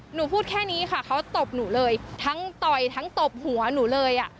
หนูพูดแค่นี้ค่ะเขาตบหนูเลยทั้งต่อยทั้งตบหัวหนูเลยอ่ะ